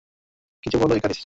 কিছু বলো, ইকারিস।